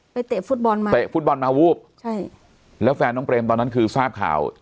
ไปเตะฟุ๊บบอนมา